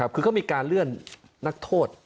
คือเขามีการเลื่อนนักโทษ